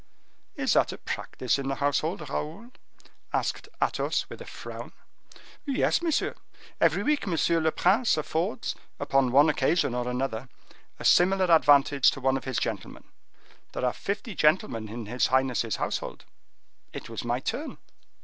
"Is that a practice in the household, Raoul?" asked Athos with a frown. "Yes, monsieur; every week M. le Prince affords, upon one occasion or another, a similar advantage to one of his gentlemen. There are fifty gentlemen in his highness's household; it was my turn."